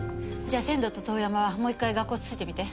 じゃあ仙堂と遠山はもう一回学校をつついてみて。